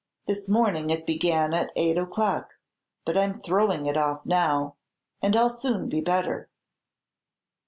This morning it began at eight o'clock; but I 'm throwing it off now, and I 'll soon be better."